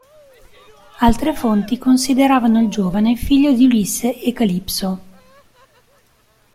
Altre fonti consideravano il giovane figlio di Ulisse e Calipso.